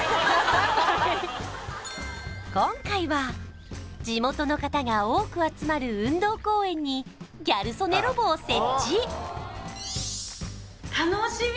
今回は地元の方が多く集まる運動公園にギャル曽根ロボを設置